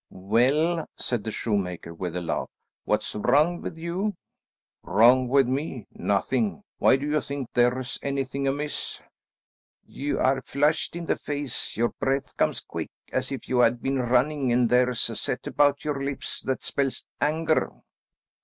"Well," said the shoemaker with a laugh, "what's wrong with you?" "Wrong with me? Nothing. Why do you think there is anything amiss?" "You are flushed in the face; your breath comes quick as if you had been running, and there's a set about your lips that spells anger."